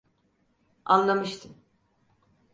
Anlamıştım.